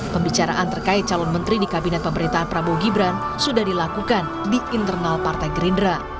pembicaraan terkait calon menteri di kabinet pemerintahan prabowo gibran sudah dilakukan di internal partai gerindra